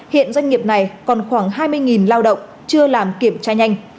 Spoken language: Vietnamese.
hiện doanh nghiệp này còn khoảng hai mươi lao động chưa làm kiểm tra nhanh